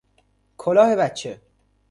کلاه بچه